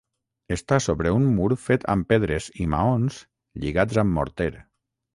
Està sobre un mur fet amb pedres i maons lligats amb morter.